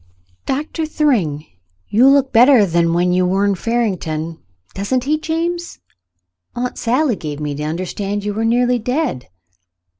"\\Tiy, Doctor Thryng, you look better than when you were in Farington ! Doesn't he, James ? Aunt Sally gave me to understand you were nearly dead."